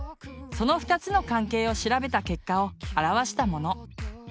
その２つの関係を調べた結果を表したもの。